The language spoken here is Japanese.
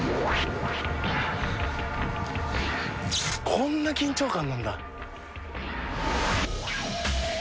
こんな緊張感なんだ。